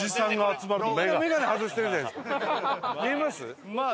みんな眼鏡外してるじゃないですか。